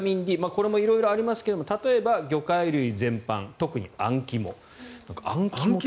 これも色々ありますが例えば、魚介類全般特にあん肝。